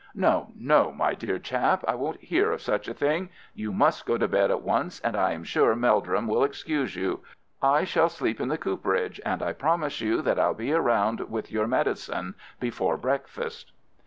"No, no, my dear chap. I won't hear of such a thing. You must get to bed at once, and I am sure Meldrum will excuse you. I shall sleep in the cooperage, and I promise you that I'll be round with your medicine before breakfast."